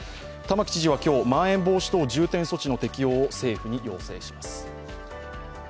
玉城知事は今日、まん延防止等重点措置の適用を政府に要請します。